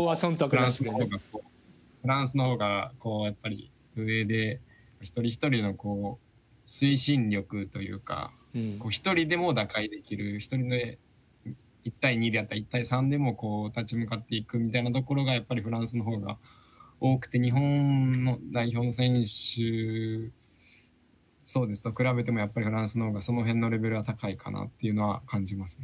フランスのほうがフランスのほうがやっぱり上で一人一人の推進力というか一人でも打開できるそれで１対２であったり１対３でも立ち向かっていくみたいなところがやっぱりフランスのほうが多くて日本の代表選手と比べてもやっぱりフランスのほうがその辺のレベルは高いかなっていうのは感じますね。